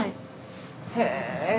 へえ。